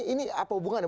ini apa hubungannya